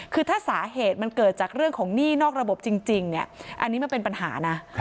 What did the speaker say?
คือถ้าสาเหตุมันเกิดจากเรื่องของหนี้นอกระบบจริงเนี่ยอันนี้มันเป็นปัญหานะ